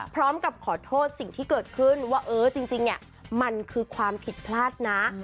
พร้อมกับขอโทษสิ่งที่เกิดขึ้นว่าเออจริงเนี่ยมันคือความผิดพลาดนะ